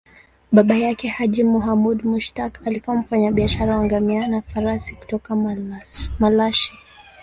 Baba yake, Haji Muhammad Mushtaq, alikuwa mfanyabiashara wa ngamia na farasi kutoka Malashi.